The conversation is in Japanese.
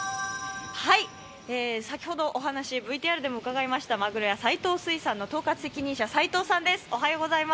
先ほどＶＴＲでもお話伺いましたまぐろ屋斎藤水産の統括責任者、斎藤さんです。